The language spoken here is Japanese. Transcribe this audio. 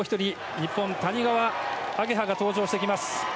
日本、谷川亜華葉が登場してきます。